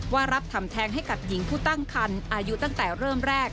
ว่ารับทำแทงให้กับหญิงผู้ตั้งคันอายุตั้งแต่เริ่มแรก